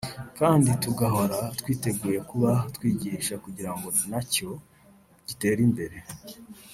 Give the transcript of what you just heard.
kandi tugahora twiteguye kuba twagifasha kugira ngo nacyo gitere imbere